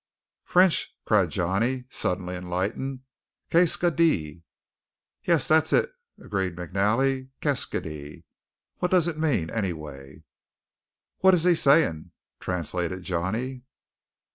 "French!" cried Johnny, suddenly enlightened. "Q'estce qu'il dit." "Yes, that's it," agreed McNally; "keskydee. What does it mean, anyway?" "What is he saying," translated Johnny.